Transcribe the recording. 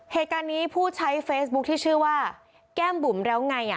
เหตุการณ์นี้ผู้ใช้เฟซบุ๊คที่ชื่อว่าแก้มบุ๋มแล้วไง